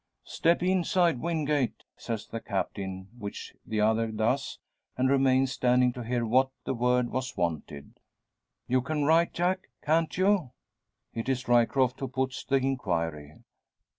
"Step inside, Wingate!" says the Captain; which the other does, and remains standing to hear what the word was wanted. "You can write, Jack can't you?" It is Ryecroft who puts the inquiry.